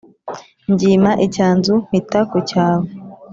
Mbyima icyanzu mbita ku cyavu